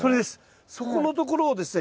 そこのところをですね